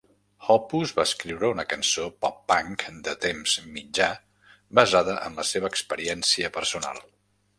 Hoppus va escriure una cançó pop punk de temps mitjà basada en la seva experiència personal.